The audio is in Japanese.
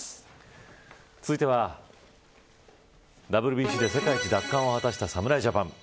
続いてはＷＢＣで世界一奪還を果たした侍ジャパン。